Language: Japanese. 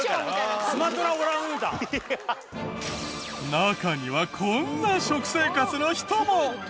中にはこんな食生活の人も。